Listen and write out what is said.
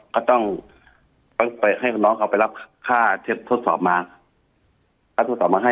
ก็ต้องให้น้องเขาไปรับค่าเท็จทดสอบมา